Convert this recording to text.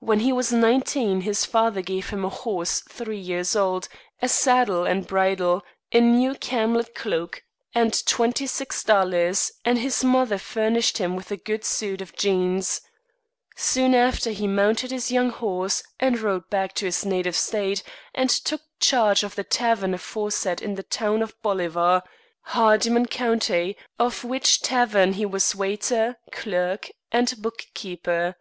When he was nineteen his father gave him a horse three years old, a saddle and bridle, a new camlet cloak, and twenty six dollars, and his mother furnished him with a good suit of jeans. Soon after, he mounted his young horse and rode back to his native State, and took charge of the tavern aforesaid in the town of Bolivar, Hardiman County, of which tavern he was waiter, clerk, and book keeper.